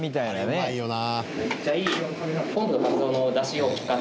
あれうまいよな。